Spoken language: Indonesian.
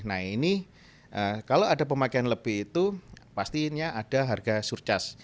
nah ini kalau ada pemakaian lebih itu pastinya ada harga surcase